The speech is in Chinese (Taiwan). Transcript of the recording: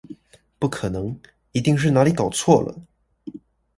不可能，一定是哪裡搞錯了！